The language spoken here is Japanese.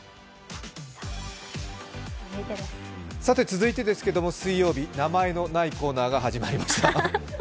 続いてですけれども、水曜日名前のないコーナーが始まりました。